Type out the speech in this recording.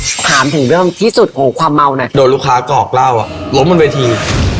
มีความถึงเรื่องที่สุดของความเมานะโดนลูกค้ากล้อกเหล้าอ่ะล้มบนวิธี